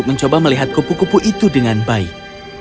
mencoba melihat kupu kupu itu dengan baik